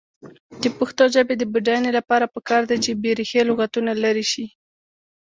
د پښتو ژبې د بډاینې لپاره پکار ده چې بېریښې لغتونه لرې شي.